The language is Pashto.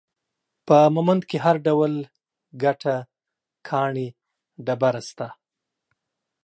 په مومند کې هر ډول ګټه ، کاڼي ، ډبره، شته